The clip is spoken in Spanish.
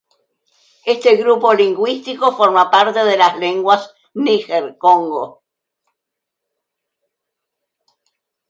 Este grupo lingüístico forma parte de las lenguas Níger-Congo.